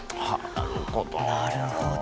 なるほどね。